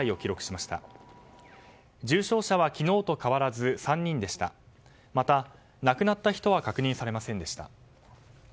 また、亡くなった人は確認されませんでした。